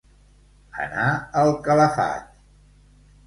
Anar al calafat.